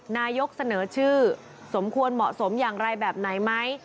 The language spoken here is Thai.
นายกเสนอชื่อสมควรเหมาะสมอย่างไรแบบไหนไหม